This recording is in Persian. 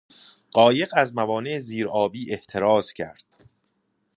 قایق از موانع زیر آبی احتراز کرد.